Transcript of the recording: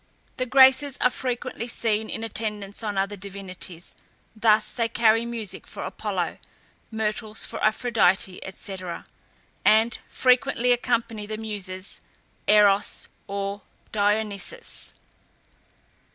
The Graces are frequently seen in attendance on other divinities; thus they carry music for Apollo, myrtles for Aphrodite, &c., and frequently accompany the Muses, Eros, or Dionysus.